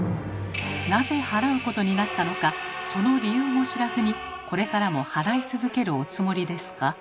なぜ払うことになったのかその理由も知らずにこれからも払い続けるおつもりですか？